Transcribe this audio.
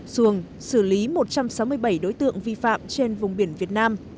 xuồng xử lý một trăm sáu mươi bảy đối tượng vi phạm trên vùng biển việt nam